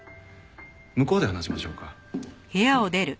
向こうで話しましょうか。